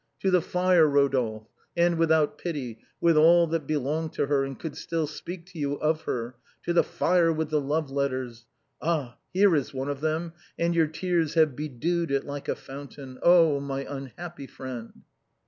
To the fire, Rodolphe, and without pity, with all that belonged to her and could still speak to you of her; to the fire with the love letters. Ah ! here is one of them, and your tears have bedewed it like a fountain. Oh ! my unhappy friend